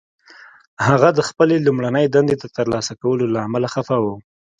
هغه د خپلې لومړۍ دندې د لاسه ورکولو له امله خفه و